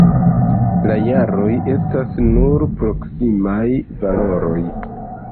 La jaroj estas nur proksimaj valoroj.